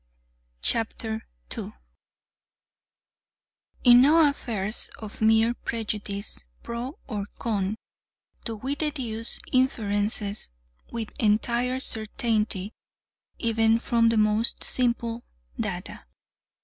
CHAPTER 2 In no affairs of mere prejudice, pro or con, do we deduce inferences with entire certainty, even from the most simple data.